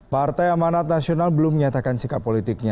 partai amanat nasional belum menyatakan sikap politiknya